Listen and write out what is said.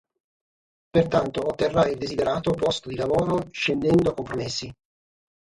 Pertanto otterrà il desiderato posto di lavoro scendendo a compromessi.